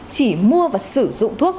chỉ mua và sử dụng thuốc